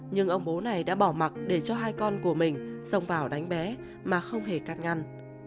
nhưng ông bố này đã bỏ mặt để cho hai con của mình xông vào đánh bé mà không hề cắt ngăn